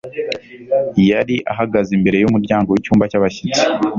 yari ahagaze imbere yumuryango wicyumba cyabashyitsi.